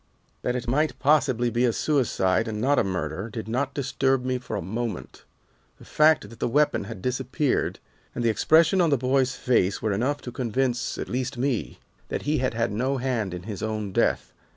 "That it might possibly be a suicide, and not a murder, did not disturb me for a moment. The fact that the weapon had disappeared, and the expression on the boy's face were enough to convince, at least me, that he had had no hand in his own death.